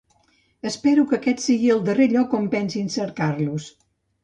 Espero que aquest sigui el darrer lloc on pensin cercar-los.